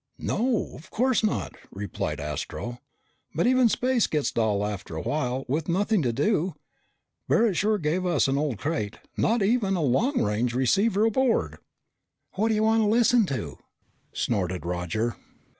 "No, of course not," replied Astro. "But even space gets dull after a while with nothing to do. Barret sure gave us an old crate. Not even a long range receiver aboard." "What do you want to listen to?" snorted Roger.